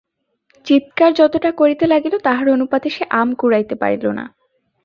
চিৎকার যতটা করিতে লাগিল তাহার অনুপাতে সে আম কুড়াইতে পারিল না।